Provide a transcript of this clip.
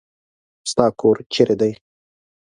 ستا کور چېري دی ؟